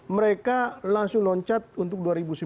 mereka langsung loncat untuk dua ribu sembilan belas